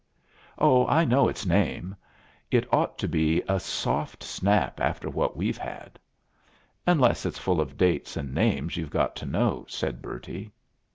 "Oh, I know its name. It ought to be a soft snap after what we've had." "Unless it's full of dates and names you've got to know," said Bertie.